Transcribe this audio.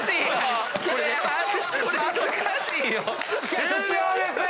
終了です！